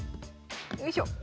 よいしょ！